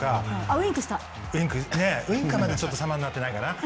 ウインクねウインクはまだちょっと様になってないかな。